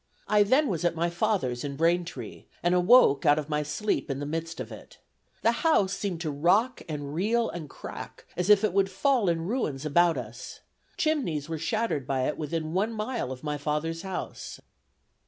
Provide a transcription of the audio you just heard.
I then was at my father's in Braintree, and awoke out of my sleep in the midst of it. The house seemed to rock and reel and crack, as if it would fall in ruins about us. Chimneys were shattered by it within one mile of my father's house."